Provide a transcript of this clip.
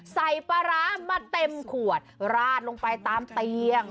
ใส่ปลาร้ามาเต็มขวดราดลงไปตามเตียง